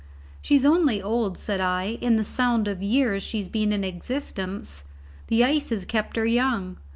"She's only old," said I, "in the sound of the years she's been in existence. The ice has kept her young.